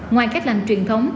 ngoài các lành truyền thống